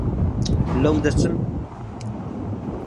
لەو دەچم؟